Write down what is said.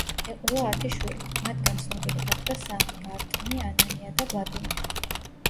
ეყოლა ათი შვილი, მათგან ცნობილი გახდა სამი: არტემი, ანანია და ვლადიმერი.